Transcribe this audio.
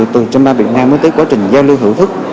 từ trăm ba việt nam mới tới quá trình giao lưu hữu thức